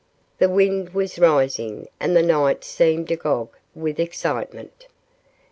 The wind was rising, and the night seemed agog with excitement.